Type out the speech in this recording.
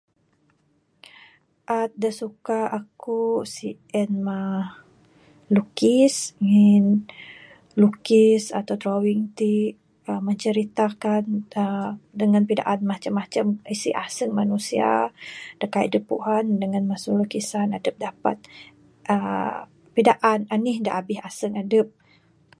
Art da suka aku sien mah lukis ngin lukis ato drawing ti menceritakan uhh dangan pidaan macam macam isi aseng manusia da kaik adep puan dangan masu lukisan dep dapat uhh pidaan anih da abih aseng adep.